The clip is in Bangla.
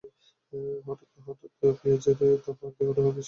হঠাৎ করে বাজারে পেঁয়াজের দাম দ্বিগুণেরও বেশি বেড়ে যাওয়ায় ক্রেতারা পড়েছেন বিপাকে।